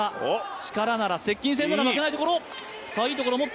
力なら接近戦ならば負けないところ。